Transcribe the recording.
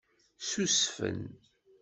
Ssusfen.